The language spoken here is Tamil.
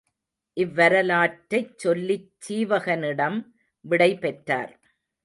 இவ்வரலாற்றைச் சொல்லிச் சீவகனிடம் விடைபெற்றார்.